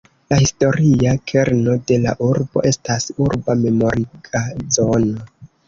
La historia kerno de la urbo estas urba memoriga zono.